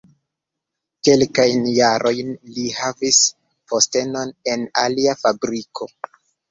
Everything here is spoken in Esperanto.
Kelkajn jarojn li havis postenon en alia fabriko.